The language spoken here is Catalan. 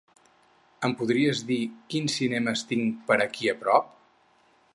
Em podries dir quins cinemes tinc per aquí a prop?